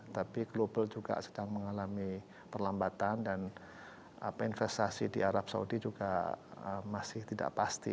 tapi global juga sedang mengalami perlambatan dan investasi di arab saudi juga masih tidak pasti